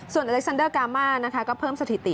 ส่วนอเลสซาเดอร์กาม่าร์ดก็เพิ่มสถิติ